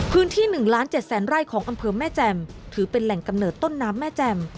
๑ล้าน๗แสนไร่ของอำเภอแม่แจ่มถือเป็นแหล่งกำเนิดต้นน้ำแม่แจ่ม